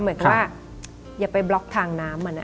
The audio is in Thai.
หมายความว่าอย่าไปบล็อกทางน้ำมัน